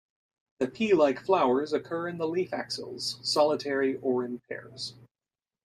The pea-like flowers occur in the leaf axils, solitary or in pairs.